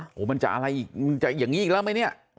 โอ้โหมันจะอะไรอีกมันจะอย่างนี้อีกแล้วไหมเนี่ย